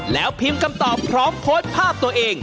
แล้วพิมพ์คำตอบพร้อมโพสต์ภาพตัวเอง